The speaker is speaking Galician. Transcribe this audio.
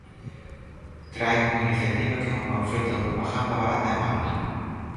Traen unha iniciativa que é un panfleto de propaganda barata e mala.